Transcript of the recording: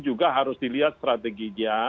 juga harus dilihat strateginya